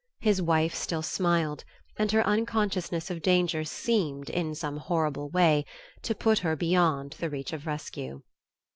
His wife still smiled; and her unconsciousness of danger seemed, in some horrible way, to put her beyond the reach of rescue....